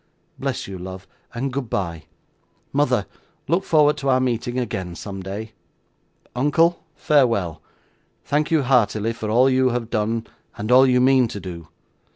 Bless you, love, and goodbye! Mother, look forward to our meeting again someday! Uncle, farewell! Thank you heartily for all you have done and all you mean to do.